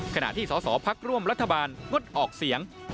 ขณะที่สอสอพักร่วมรัฐบาลงดออกเสียง